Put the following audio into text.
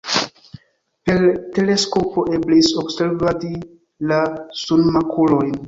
Per teleskopo eblis observadi la sunmakulojn.